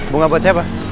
bunga buat siapa